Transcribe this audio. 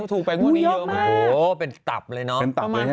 ถูกแปลงวันนี้เยอะมากโอ้เป็นตับเลยเนอะเป็นตับเลยใช่ไหม